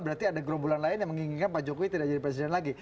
berarti ada gerombolan lain yang menginginkan pak jokowi tidak jadi presiden lagi